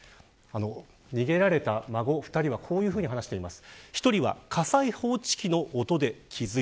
逃げられた孫２人はこのように話しています。